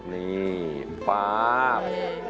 นี่ป๊าบ